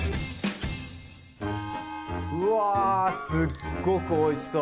うわすっごくおいしそう！